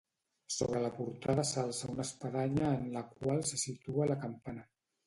Sobre la portada s'alça una espadanya en la qual se situa la campana.